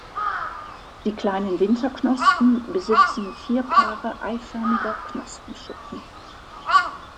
Die kleinen Winterknospen besitzen vier Paare eiförmiger Knospenschuppen.